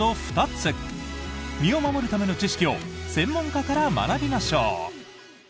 ２つ身を守るための知識を専門家から学びましょう！